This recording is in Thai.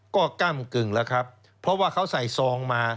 ก็ก้ำกึ่งแล้วครับเพราะว่าเขาใส่ซองมา